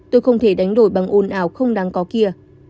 tôi không thể đánh đổi bằng ôn ào không đáng có kia